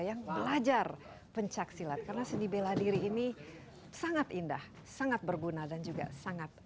yang belajar pencaksilat karena seni bela diri ini sangat indah sangat berguna dan juga sangat